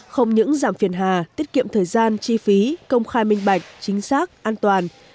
không những giảm phiền hà tiết kiệm thời gian chi phí công khai minh bạch chính xác an toàn